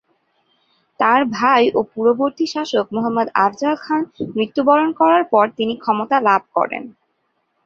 তার ভাই ও পূর্ববর্তী শাসক মুহাম্মদ আফজাল খান মৃত্যুবরণ করার পর তিনি ক্ষমতা লাভ করেন।